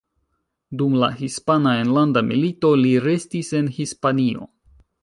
Dum la Hispana Enlanda Milito li restis en Hispanio.